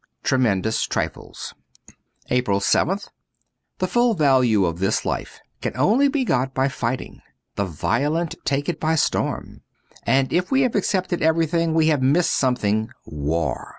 ' Tremendous Trifies* 1 06 APRIL 7th THE full value of this life can only be got by fighting ; the violent take it by storm. And if we have accepted everything we have missed something — war.